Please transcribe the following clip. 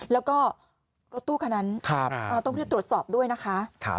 แล้วก็รถตู้คันนั้นต้องรีบตรวจสอบด้วยนะคะ